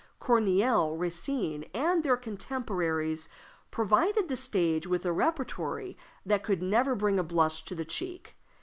Corneille, Racine, and their contemporaries provided the stage with a repertory that could never bring a blush to the cheek.